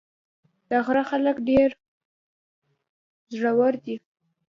د غره خلک ډېر زړور دي.